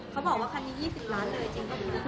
เขาบอกว่าคันนี้๒๐ล้านเลยจริงป่ะคะ